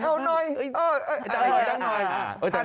เอาหน่อยเอาหน่อยเอาหน่อยเอาหน่อย